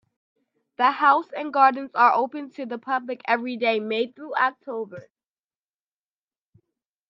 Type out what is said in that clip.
The house and gardens are open to the public every day, May through October.